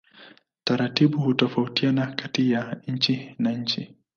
Taratibu hutofautiana kati ya nchi na nchi.